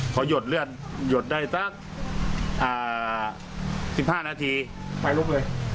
พอหยดเลือดหยดได้สัก๑๕นาทีไฟลุกเลย